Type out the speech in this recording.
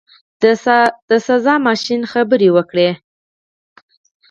د سزا ماشین خبرې وکړې.